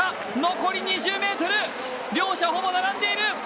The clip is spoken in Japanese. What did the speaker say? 残り２０ｍ。両者ほぼ並んでいる！